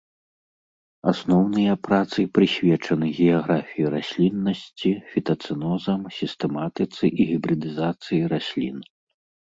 Асноўныя працы прысвечаны геаграфіі расліннасці, фітацэнозам, сістэматыцы і гібрыдызацыі раслін.